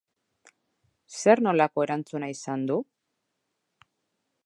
Zer nolako erantzuna izan du?